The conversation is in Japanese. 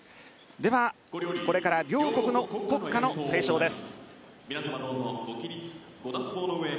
では、これから両国の国歌斉唱です。